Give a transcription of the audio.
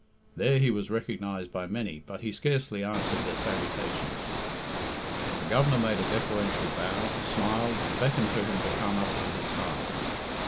There he was recognised by many, but he scarcely answered their salutations. The Governor made a deferential bow, smiled, and beckoned to him to come up to his side.